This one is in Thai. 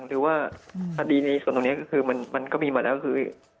หรือว่าส่วนตรงนี้มันก็มีหมดแล้วคือ